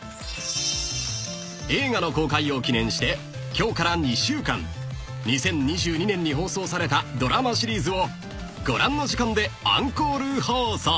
［映画の公開を記念して今日から２週間２０２２年に放送されたドラマシリーズをご覧の時間でアンコール放送］